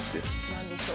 何でしょう？